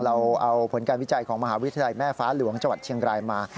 เราเอาผลการวิจัยของมหาวิทยาลัยแม่ฟ้าหลวงจังหวัดเชียงรายมา